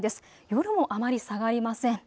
夜もあまり下がりません。